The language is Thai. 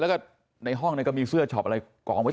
แล้วก็ในห้องก็มีเสื้อช็อปอะไรกองไว้